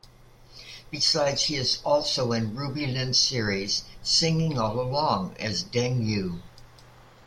Besides, he is also in Ruby Lin's series "Singing All Along" as Deng Yu.